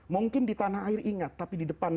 mungkin di tanah air ingat tapi di depan